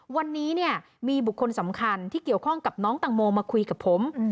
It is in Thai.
วันนี้เนี่ยมีบุคคลสำคัญที่เกี่ยวข้องกับน้องตังโมมาคุยกับผม